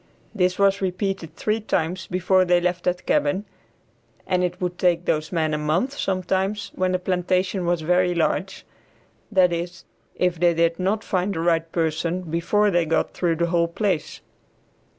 This was repeated three times before they left that cabin, and it would take those men a month sometimes when the plantation was very large, that is if they did not find the right person before they got through the whole place.